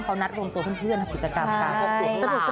เขานัดรวมตัวเพื่อนทำกิจกรรมกัน